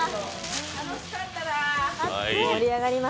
楽しかったなぁ。